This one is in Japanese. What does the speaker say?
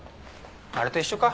あれと一緒か。